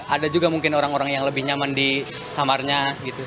ada juga mungkin orang orang yang lebih nyaman di kamarnya